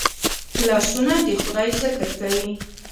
لاسونه د خدای ذکر کوي